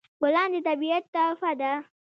ګلان د طبیعت تحفه ده.